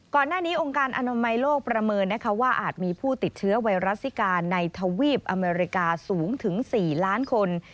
ก่อนหน้านี้องค์การอนามัยโลกประเมินนะคะว่าอาจมีผู้ติดเชื้อไวรัสซิกาในทวีปอเมริกาสูงถึง๔ล้านคน